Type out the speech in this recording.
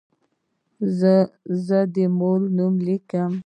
زه د مور نوم لیکم.